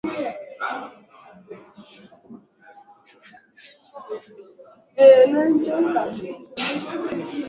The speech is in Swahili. kusikia masikioni lakini sasa jambo ni kwamba nimeona wakati mwingi